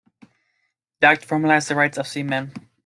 The act formalized the rights of seamen.